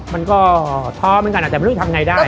มันก็ท้อเหมือนกันแต่ไม่รู้จะทำยังไงได้